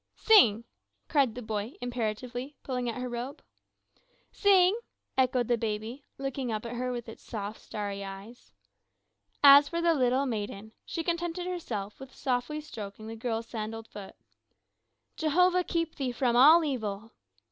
"Sing!" cried the boy imperatively, pulling at her robe. "Sing!" echoed the baby, looking up at her with his soft, starry eyes. As for the little maiden, she contented herself with softly stroking the girl's sandaled foot. "Jehovah keep thee from all evil."